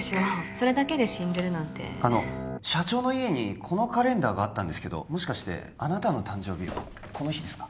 それだけで死んでるなんてあの社長の家にこのカレンダーがあったんですけどもしかしてあなたの誕生日はこの日ですか？